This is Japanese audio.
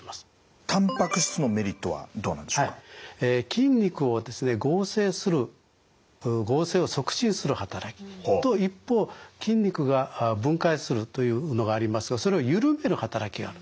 筋肉をですね合成する合成を促進する働きと一方筋肉が分解するというのがありますがそれを緩める働きがある。